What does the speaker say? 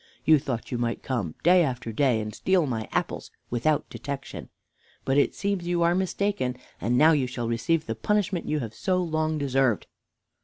You thought you might come day after day and steal my apples without detection; but it seems you are mistaken, and now you shall receive the punishment you have so long deserved."